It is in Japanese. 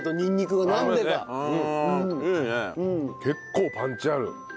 結構パンチある。